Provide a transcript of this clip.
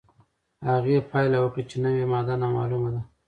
هغې پایله وکړه چې نوې ماده نامعلومه ده.